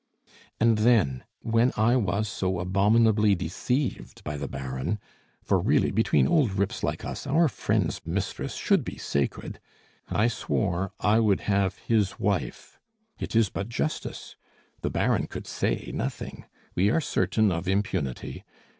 "And then, when I was so abominably deceived by the Baron, for really between old rips like us our friend's mistress should be sacred, I swore I would have his wife. It is but justice. The Baron could say nothing; we are certain of impunity.